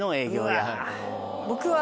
僕は。